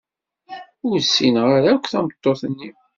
Ur ssineɣ ara akk tameṭṭut-nni.